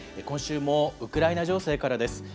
今週もウクライナ情勢からです。